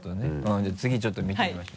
じゃあ次ちょっと見てみましょう。